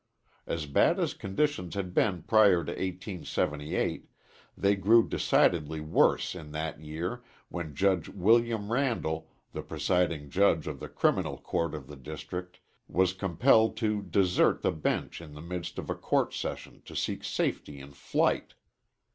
As bad as conditions had been prior to 1878, they grew decidedly worse in that year, when Judge William Randall, the presiding judge of the Criminal Court of the district, was compelled to desert the bench in the midst of a court session to seek safety in flight.